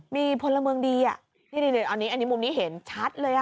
มีพลเมิงดีอ่ะอันนี้มุมนี้เห็นชัดเลยอ่ะ